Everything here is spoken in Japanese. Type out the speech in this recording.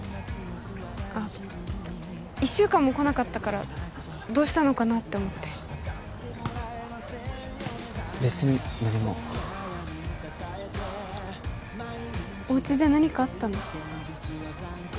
あ１週間も来なかったからどうしたのかなって思って別に何もおうちで何かあったの？